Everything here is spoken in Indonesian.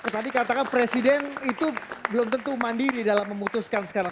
tadi katakan presiden itu belum tentu mandiri dalam memutuskan sekarang